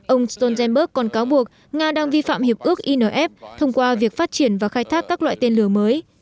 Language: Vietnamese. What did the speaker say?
ông stoltenberg còn cáo buộc nga đang vi phạm hiệp ước inf thông qua việc phát triển và khai thác các loại tên lửa mới